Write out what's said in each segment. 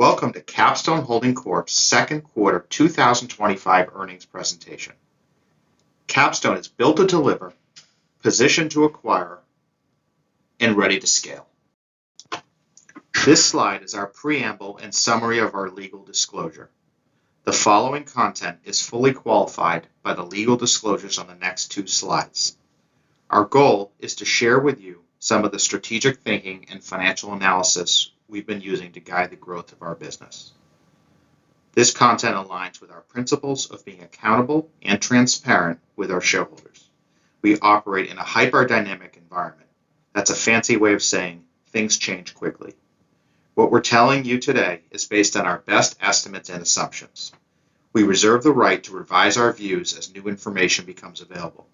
Welcome to Capstone Holding Corp's Second Quarter 2025 Earnings Presentation. Capstone is built to deliver, positioned to acquire, and ready to scale. This slide is our preamble and summary of our legal disclosure. The following content is fully qualified by the legal disclosures on the next two slides. Our goal is to share with you some of the strategic thinking and financial analysis we've been using to guide the growth of our business. This content aligns with our principles of being accountable and transparent with our shareholders. We operate in a hyper-dynamic environment. That's a fancy way of saying things change quickly. What we're telling you today is based on our best estimates and assumptions. We reserve the right to revise our views as new information becomes available.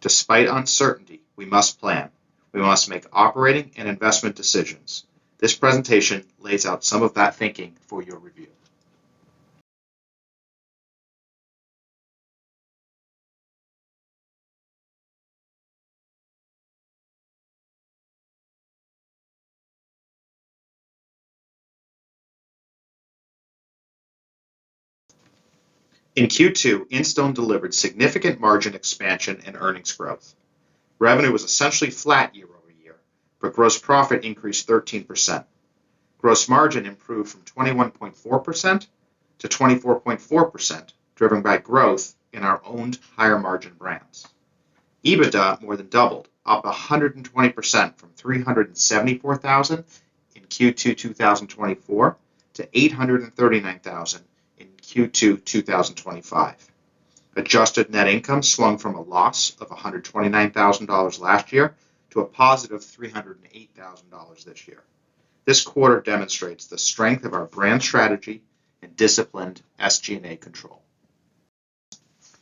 Despite uncertainty, we must plan. We must make operating and investment decisions. This presentation lays out some of that thinking for your review. In Q2, Instone delivered significant margin expansion and earnings growth. Revenue was essentially flat year-over-year, but gross profit increased 13%. Gross margin improved from 21.4% to 24.4%, driven by growth in our owned higher-margin brands. EBITDA more than doubled, up 120% from $374,000 in Q2 2024 to $839,000 in Q2 2025. Adjusted net income swung from a loss of $129,000 last year to a positive $308,000 this year. This quarter demonstrates the strength of our brand strategy and disciplined SG&A control.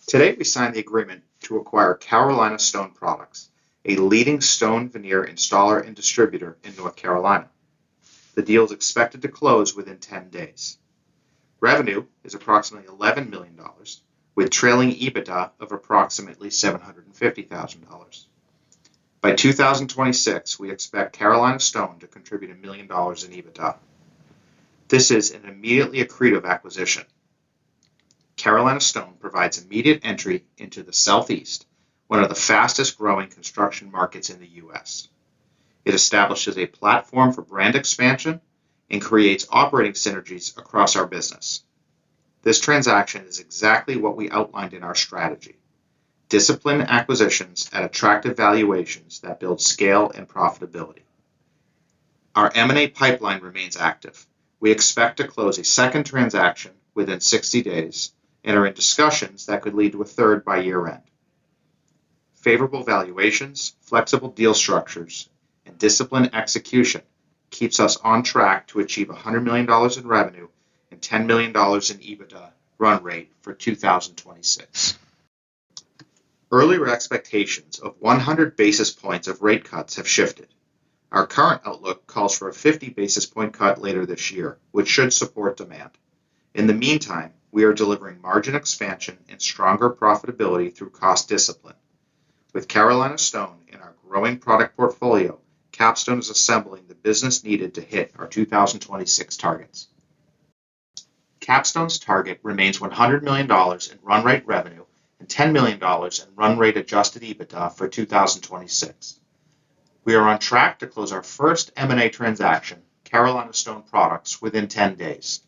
Today, we signed the agreement to acquire Carolina Stone Products, a leading stone veneer installer and distributor in North Carolina. The deal is expected to close within 10 days. Revenue is approximately $11 million, with trailing EBITDA of approximately $750,000. By 2026, we expect Carolina Stone to contribute $1 million in EBITDA. This is an immediately accretive acquisition. Carolina Stone provides immediate entry into the Southeast, one of the fastest-growing construction markets in the U.S. It establishes a platform for brand expansion and creates operating synergies across our business. This transaction is exactly what we outlined in our strategy. Disciplined acquisitions at attractive valuations that build scale and profitability. Our M&A pipeline remains active. We expect to close a second transaction within 60 days and are in discussions that could lead to a third by year-end. Favorable valuations, flexible deal structures, and disciplined execution keeps us on track to achieve $100 million in revenue and $10 million in EBITDA run rate for 2026. Earlier expectations of 100 basis points of rate cuts have shifted. Our current outlook calls for a 50 basis point cut later this year, which should support demand. In the meantime, we are delivering margin expansion and stronger profitability through cost discipline. With Carolina Stone and our growing product portfolio, Capstone is assembling the business needed to hit our 2026 targets. Capstone's target remains $100 million in run rate revenue and $10 million in run rate adjusted EBITDA for 2026. We are on track to close our first M&A transaction, Carolina Stone Products, within 10 days.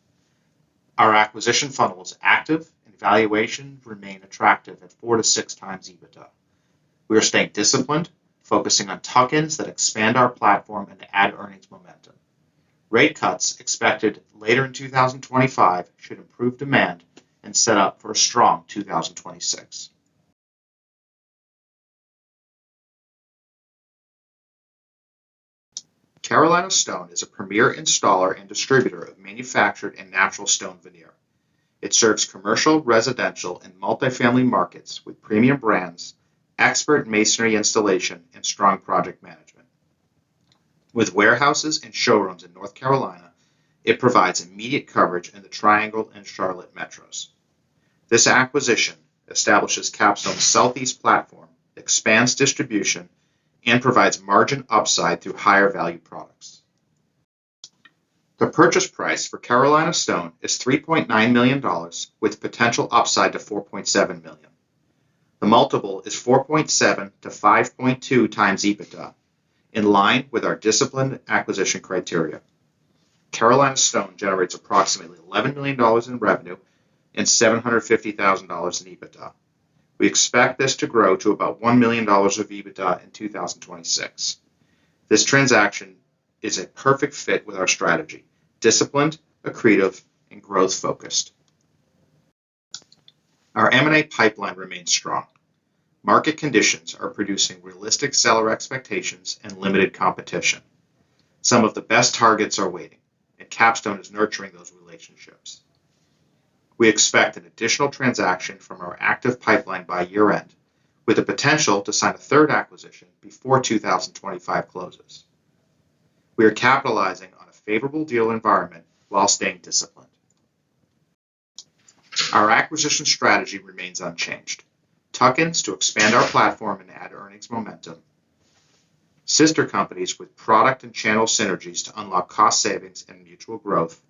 Our acquisition funnel is active, and valuations remain attractive at 4-6x EBITDA. We are staying disciplined, focusing on tuck-ins that expand our platform and add earnings momentum. Rate cuts expected later in 2025 should improve demand and set up for a strong 2026. Carolina Stone is a premier installer and distributor of manufactured and natural stone veneer. It serves commercial, residential, and multifamily markets with premium brands, expert masonry installation, and strong project management. With warehouses and showrooms in North Carolina, it provides immediate coverage in the Triangle and Charlotte metros. This acquisition establishes Capstone's Southeast platform, expands distribution, and provides margin upside through higher-value products. The purchase price for Carolina Stone is $3.9 million with potential upside to $4.7 million. The multiple is 4.7-5.2x EBITDA, in line with our disciplined acquisition criteria. Carolina Stone generates approximately $11 million in revenue and $750,000 in EBITDA. We expect this to grow to about $1 million of EBITDA in 2026. This transaction is a perfect fit with our strategy, disciplined, accretive, and growth-focused. Our M&A pipeline remains strong. Market conditions are producing realistic seller expectations and limited competition. Some of the best targets are waiting, and Capstone is nurturing those relationships. We expect an additional transaction from our active pipeline by year-end, with the potential to sign a third acquisition before 2025 closes. We are capitalizing on a favorable deal environment while staying disciplined. Our acquisition strategy remains unchanged, tuck-ins to expand our platform and add earnings momentum, sister companies with product and channel synergies to unlock cost savings and mutual growth,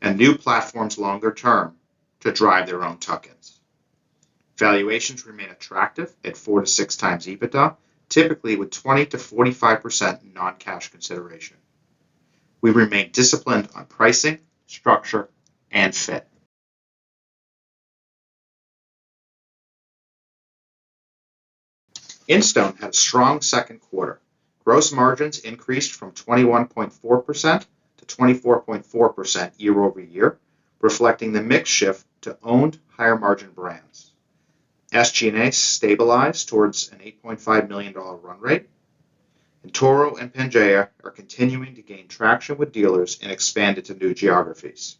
and new platforms longer term to drive their own tuck-ins. Valuations remain attractive at 4-6x EBITDA, typically with 20%-45% non-cash consideration. We remain disciplined on pricing, structure, and fit. Instone had a strong second quarter. Gross margins increased from 21.4%-24.4% year-over-year, reflecting the mix shift to owned higher-margin brands. SG&A stabilized towards an $8.5 million run rate. Toro and Pangaea are continuing to gain traction with dealers and expanded to new geographies.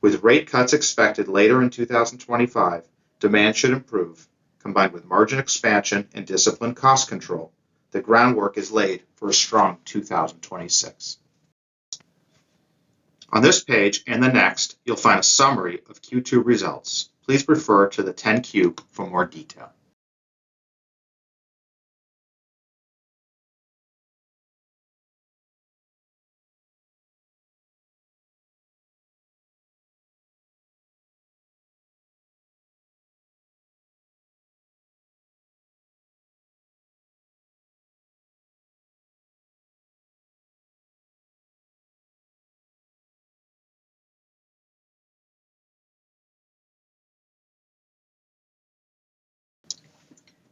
With rate cuts expected later in 2025, demand should improve. Combined with margin expansion and disciplined cost control, the groundwork is laid for a strong 2026. On this page and the next, you'll find a summary of Q2 results. Please refer to the 10-Q for more detail.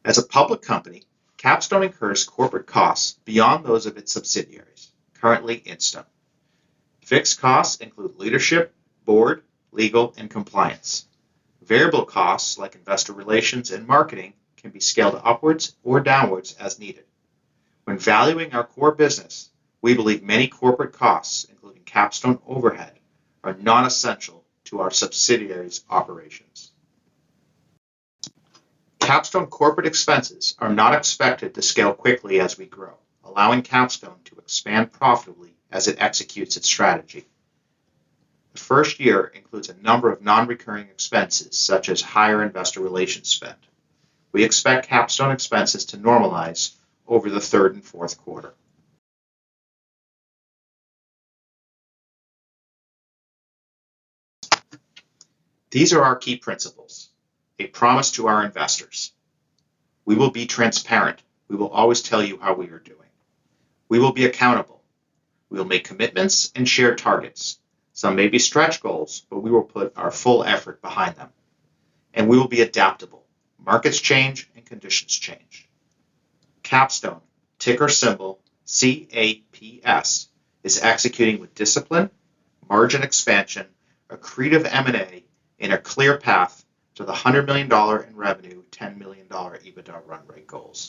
As a public company, Capstone incurs corporate costs beyond those of its subsidiaries, currently Instone. Fixed costs include leadership, board, legal and compliance. Variable costs, like investor relations and marketing, can be scaled upwards or downwards as needed. When valuing our core business, we believe many corporate costs, including Capstone overhead, are non-essential to our subsidiaries' operations. Capstone corporate expenses are not expected to scale quickly as we grow, allowing Capstone to expand profitably as it executes its strategy. The first year includes a number of non-recurring expenses, such as higher investor relations spend. We expect Capstone expenses to normalize over the third and fourth quarter. These are our key principles, a promise to our investors. We will be transparent. We will always tell you how we are doing. We will be accountable. We will make commitments and share targets. Some may be stretch goals, but we will put our full effort behind them, and we will be adaptable. Markets change and conditions change. Capstone, ticker symbol C-A-P-S, is executing with discipline, margin expansion, accretive M&A, and a clear path to the $100 million in revenue, $10 million EBITDA run rate goals.